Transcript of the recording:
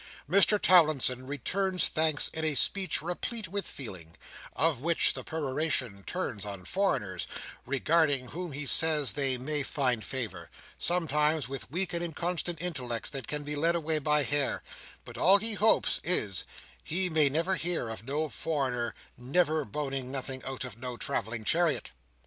Mr Towlinson returns thanks in a speech replete with feeling, of which the peroration turns on foreigners, regarding whom he says they may find favour, sometimes, with weak and inconstant intellects that can be led away by hair, but all he hopes, is, he may never hear of no foreigner never boning nothing out of no travelling chariot.